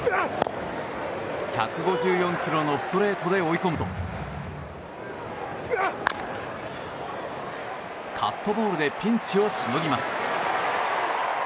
１５４キロのストレートで追い込むとカットボールでピンチをしのぎます。